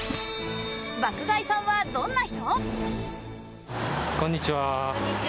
爆買いさんはどんな人？